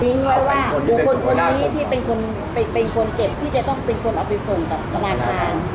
มีง่ายว่ามีคนนี้ที่เป็นคนเก็บที่จะต้องเป็นคนเอาไปส่งกับปราการ